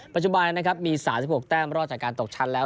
ปัจจุบันนะครับมี๓๖แต้มรอดจากการตกชั้นแล้ว